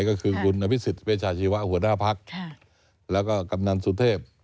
ก็คือคุณอภิษฎเวชาชีวะหัวหน้าพักแล้วก็กำนันสุเทพ